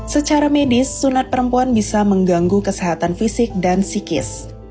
secara medis sunat perempuan bisa mengganggu kesehatan fisik dan psikis